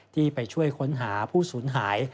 ที่ไปช่วยค้นหาผู้สูญหาย